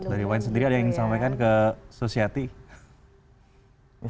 dari wain sendiri ada yang ingin disampaikan ke susiati